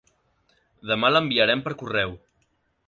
Demà l'enviarem per correu.